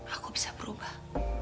aku bisa berubah